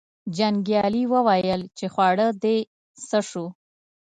جنګیالي وویل چې خواړه دې څه شو.